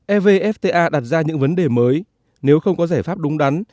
evfta đặt ra những vấn đề mới nếu không có giải pháp đúng đắn